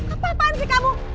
apaan sih kamu